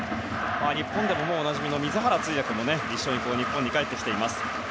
日本でもおなじみの水原通訳も一緒に日本に帰ってきています。